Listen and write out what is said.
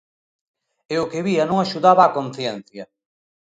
E o que vía non axudaba á conciencia.